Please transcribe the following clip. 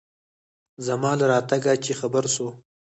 زما له راتگه چې خبر سو.